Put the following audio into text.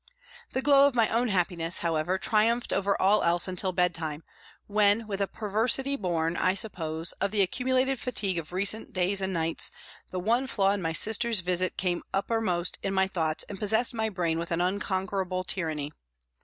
The glow of my own happiness, however, triumphed over all else until bed time, when with a perversity born, I suppose, of the accumulated fatigue of recent days and nights, the one flaw in my sister's visit came uppermost in my thoughts and possessed my brain with an unconquerable tyranny.